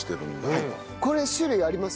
これ種類あります？